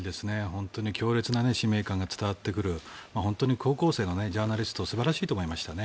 本当に強烈な使命感が伝わってくる本当に高校生のジャーナリスト素晴らしいと思いましたね。